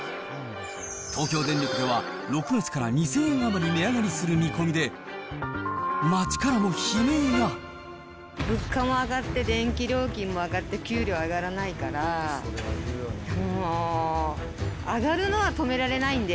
東京電力では６月から２０００円余り値上がりする見込みで、街か物価も上がって、電気料金も上がって、給料も上がらないから、もう、上がるのは止められないんで。